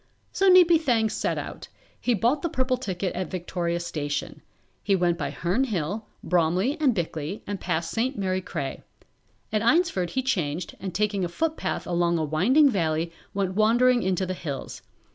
So Neepy Thang set out. He bought the purple ticket at Victoria Station. He went by Herne Hill, Bromley and Bickley and passed St. Mary Cray. At Eynsford he changed and taking a footpath along a winding valley went wandering into the hills.